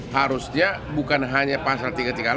harusnya bukan hanya pasal tiga ratus tiga puluh delapan